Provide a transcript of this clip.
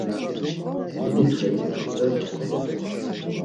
Mipxe it̆urt̆es?